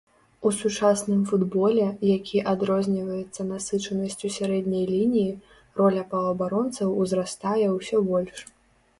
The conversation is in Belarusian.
У сучасным футболе, які адрозніваецца насычанасцю сярэдняй лініі, роля паўабаронцаў узрастае ўсё больш.